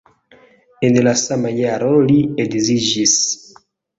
En la sama jaro li edziĝis.